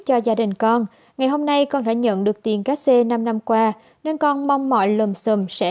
cho gia đình con ngày hôm nay con đã nhận được tiền cá xê năm năm qua nên con mong mọi lầm sầm sẽ